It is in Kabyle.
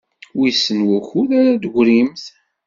Wissen wukud ara d-teggrimt?